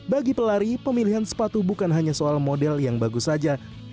bagi pelari pemilihan sepatu bukan hanya soal model yang bagus saja